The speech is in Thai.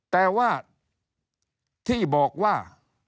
แต่ว่าที่บอกว่า